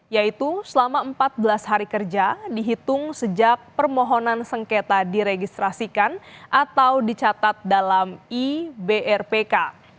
yaitu selama empat belas hari kerja dihitung sejak permohonan sengketa diregistrasikan atau dicatat dalam ibrpk